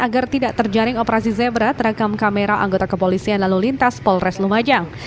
agar tidak terjaring operasi zebra terekam kamera anggota kepolisian lalu lintas polres lumajang